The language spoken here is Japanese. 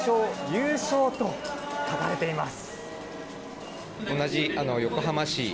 優勝！と書かれています。